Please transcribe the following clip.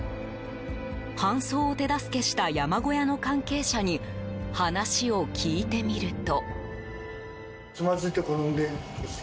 搬送を手助けした山小屋の関係者に話を聞いてみると。